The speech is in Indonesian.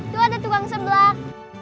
tuh ada tukang sebelak